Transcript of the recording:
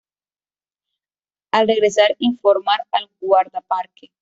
Al regresar informar al Guardaparque.